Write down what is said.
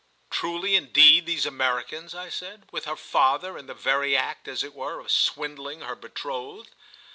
"Truly indeed these Americans!" I said. "With her father in the very act, as it were, of swindling her betrothed!"